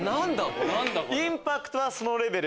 インパクトはそのレベル。